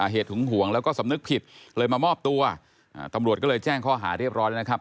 หึงห่วงแล้วก็สำนึกผิดเลยมามอบตัวตำรวจก็เลยแจ้งข้อหาเรียบร้อยแล้วนะครับ